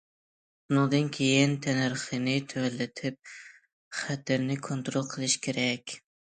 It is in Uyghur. ئۇنىڭدىن كېيىن تەننەرخنى تۆۋەنلىتىپ، خەتەرنى كونترول قىلىش كېرەك.